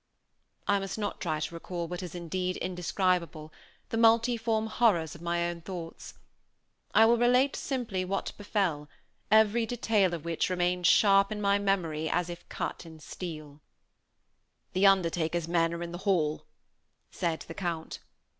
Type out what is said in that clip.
I must not try to recall what is indeed indescribable the multiform horrors of my own thoughts. I will relate, simply, what befell, every detail of which remains sharp in my memory as if cut in steel. "The undertaker's men are in the hall," said the Count.